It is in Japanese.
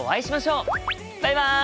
バイバイ！